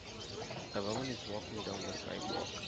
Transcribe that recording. A woman is walking down the sidewalk.